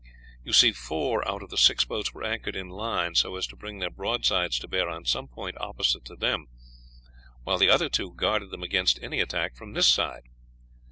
You see four out of the six boats were anchored in line so as to bring their broadsides to bear on some point opposite to them, while the other two guarded them against any attack from this side.